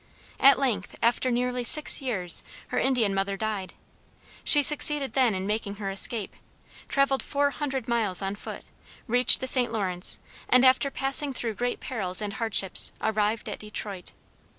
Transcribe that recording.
At length, after nearly six years, her Indian mother died. She succeeded then in making her escape, traveled four hundred miles on foot, reached the St. Lawrence, and after passing through great perils and hardships, arrived at Detroit.